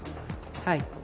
はい。